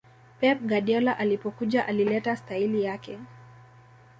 pep guardiola alipokuja alileta staili yake